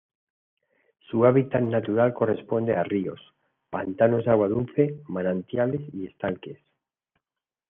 Su hábitat natural corresponde a ríos, pantanos de agua dulce, manantiales, y estanques.